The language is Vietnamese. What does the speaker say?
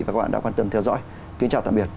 và các bạn đã quan tâm theo dõi kính chào tạm biệt